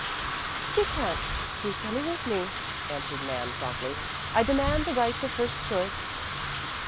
"She can't. She's coming with me," answered Nan promptly. "I demand the right to first choice."